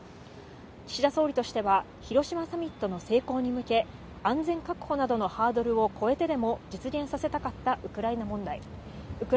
岸田総理としては、広島サミットの成功に向け、安全確保などのハードルを越えてでも実現させたかったウクライナ訪問。